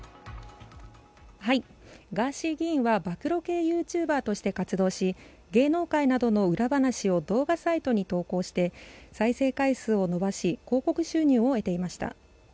ガーシー議員は暴露系ＹｏｕＴｕｂｅｒとして活動し芸能界などの裏話を動画サイトに投稿して再生回数を伸ばし、広告収入を得ていました。